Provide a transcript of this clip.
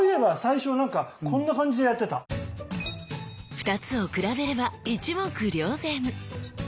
２つを比べれば一目瞭然！